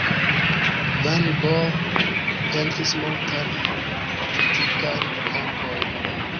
Van Gogh pentris multajn tritikajn kampojn.